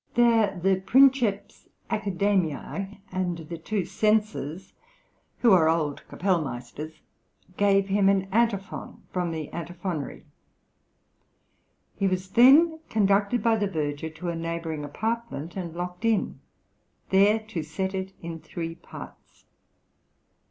There the Princeps Academiæ and the two censors (who are old kapellmeisters) gave him an antiphon from the Antiphonary; he was then conducted by the verger to a neighbouring apartment and locked in, there to set it in three parts.